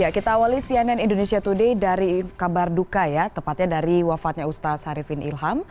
kita awali cnn indonesia today dari kabar duka ya tepatnya dari wafatnya ustadz harifin ilham